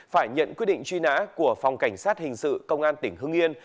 phải nhận quyết định truy nã của phòng cảnh sát hình sự công an tỉnh hưng yên